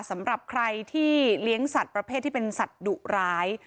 สำหรับใครที่เลี้ยงสัตว์ประเภทที่เป็นสัตว์ดุร้าย